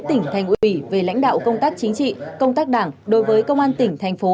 tỉnh thành ủy về lãnh đạo công tác chính trị công tác đảng đối với công an tỉnh thành phố